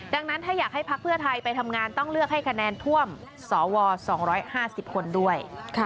ดังนั้นถ้าอยากให้พักเพื่อไทยไปทำงานต้องเลือกให้คะแนนท่วมสว๒๕๐คนด้วย